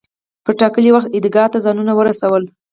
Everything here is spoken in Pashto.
پر ټاکلي وخت عیدګاه ته ځانونه ورسول.